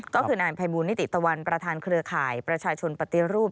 ก็คือนายภัยบูลนิติตะวันประธานเครือข่ายประชาชนปฏิรูป